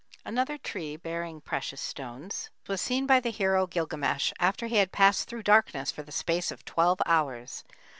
Another tree bearing precious stones was seen by the hero Gilgamesh, after he had passed through darkness for the space of twelve hours.